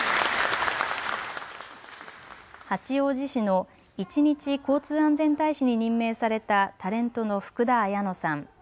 八王子市の１日交通安全大使に任命されたタレントの福田彩乃さん。